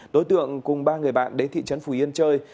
đối tượng cùng ba người bạn đến thị trấn phù yên chơi